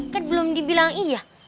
kan belum dibilang iya